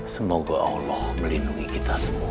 semoga allah melindungi kita semua